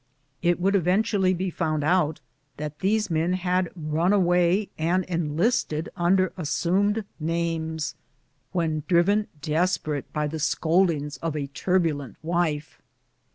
It would eventually be found out that these men had run away and enlisted under assumed names, when driven desperate by the scoldings of a turbulent wife.